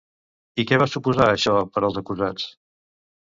I què va suposar això per als acusats?